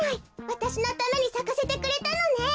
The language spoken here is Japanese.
わたしのためにさかせてくれたのね。